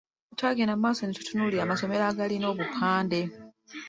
Twagenda mu maaso ne tutunuulira amasomero agalina obupande.